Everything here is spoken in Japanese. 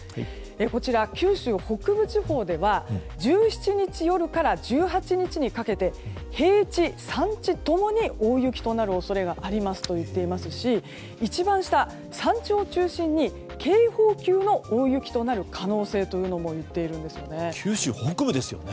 こちら、九州北部地方では１７日夜から１８日にかけて平地、山地共に大雪となる恐れがありますといっていますし一番下、山頂を中心に警報級の大雪となる可能性というのもいっているんですね。